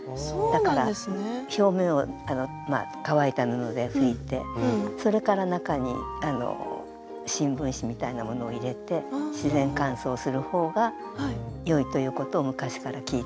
だから表面は乾いた布で拭いてそれから中にあの新聞紙みたいなものを入れて自然乾燥する方がよいということを昔から聞いております。